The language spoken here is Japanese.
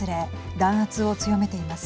弾圧を強めています。